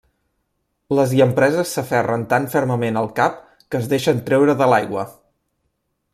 Les llampreses s'aferren tan fermament al cap que es deixen treure de l'aigua.